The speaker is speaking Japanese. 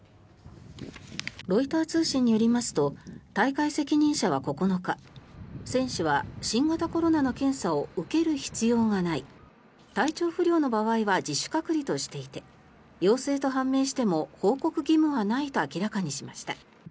ロイター通信によりますと大会責任者は９日選手は新型コロナの検査を受ける必要がない体調不良の場合は自主隔離としていて陽性と判明しても報告義務はないと明らかにしました。